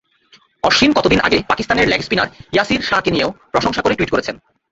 অশ্বিন কদিন আগে পাকিস্তানের লেগ স্পিনার ইয়াসির শাহকে নিয়েও প্রশংসা করে টুইট করেছেন।